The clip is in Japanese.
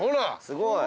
すごい。